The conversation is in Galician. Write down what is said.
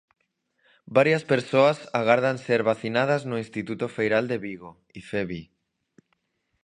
Varias persoas agardan ser vacinadas no Instituto Feiral de Vigo, Ifevi.